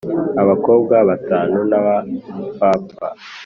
Abakobwa batanu baba pfapfa